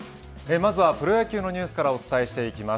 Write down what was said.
まずはプロ野球のニュースからお伝えしていきます。